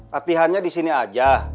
latihannya disini aja